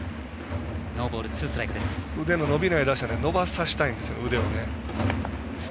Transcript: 腕の伸びない打者に腕を伸ばさせたいんですよね。